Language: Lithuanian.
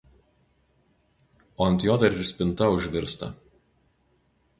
o ant jo dar ir spinta užvirsta